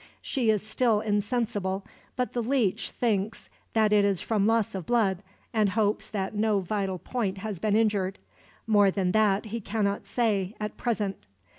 "She is still insensible; but the leech thinks that it is from loss of blood, and hopes that no vital point has been injured. More than that he cannot say, at present.